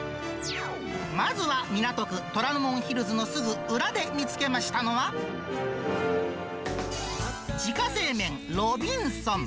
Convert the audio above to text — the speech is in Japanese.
まずは港区、虎ノ門ヒルズのすぐ裏で見つけましたのは、自家製麺ロビンソン。